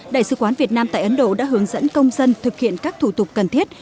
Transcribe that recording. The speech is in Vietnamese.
đại sứ quán việt nam tại ấn độ đã hướng dẫn công dân thực hiện các thủ tục cần thiết